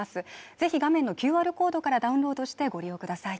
ぜひ画面のＱＲコードからダウンロードしてご利用ください